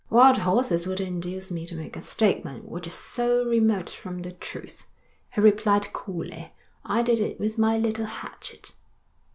'Wild horses wouldn't induce me to make a statement which is so remote from the truth,' he replied coolly. 'I did it with my little hatchet.'